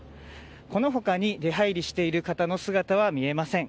この他に出入りしている方の姿は見られません。